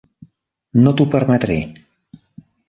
No t'ho permetré.